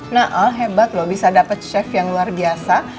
na'al hebat loh bisa dapet chef yang luar biasa